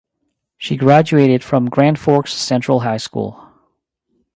She graduated from Grand Forks Central High School.